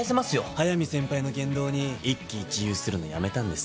速見先輩の言動に一喜一憂するのやめたんです。